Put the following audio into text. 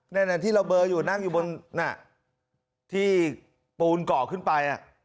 นั่นที่เราเบอร์อยู่นั่งอยู่บนที่ปูนเกาะขึ้นไป